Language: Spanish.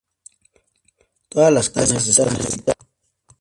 Todas las casas están habitadas.